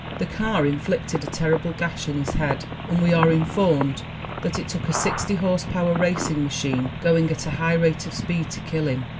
The car inflicted a terrible gash in his head and we are informed that "it took a sixty horsepower racing machine going at a high rate of speed to kill him"!